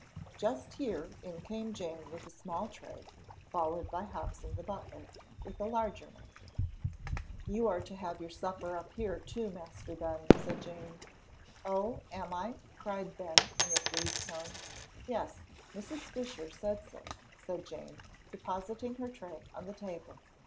Just here in came Jane with a small tray, followed by Hobson, the butler, with a large one. "You are to have your supper up here, too, Master Ben," said Jane. "Oh, am I?" cried Ben, in a pleased tone. "Yes, Mrs. Fisher said so," said Jane, depositing her tray on the table.